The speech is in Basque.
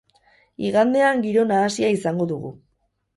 Igandean giro nahasia izango dugu.